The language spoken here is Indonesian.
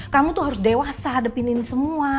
kamu tuh harus dewasa hadapin ini semua